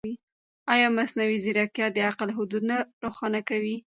ایا مصنوعي ځیرکتیا د عقل حدود نه روښانه کوي؟